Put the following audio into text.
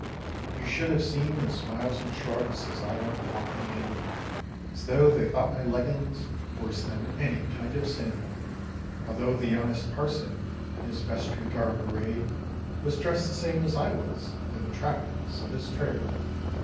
You should have seen the smiles and shrugs As I went walking in, As though they thought my leggins Worse than any kind of sin; Although the honest parson, In his vestry garb arrayed Was dressed the same as I was, In the trappings of his trade.